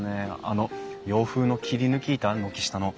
あの洋風の切り抜き板軒下の。